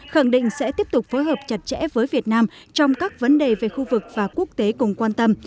khẳng định sẽ tiếp tục phối hợp chặt chẽ với việt nam trong các vấn đề về khu vực và quốc tế cùng quan tâm